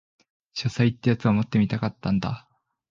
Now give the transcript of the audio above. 書斎ってやつを持ってみたかったんだ